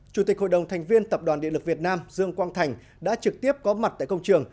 chủ tịch hội đồng thành viên tập đoàn điện lực việt nam dương quang thành đã trực tiếp có mặt tại công trường